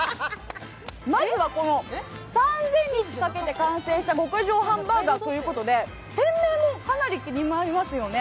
まずは、この３０００日かけて完成した極上ハンバーガーということで店名もかなり気になりますよね。